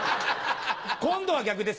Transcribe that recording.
今度は逆ですよ。